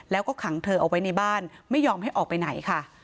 แล้วก็ขังเธอเอาไว้ในบ้านไม่ยอมให้ออกไปไหนค่ะ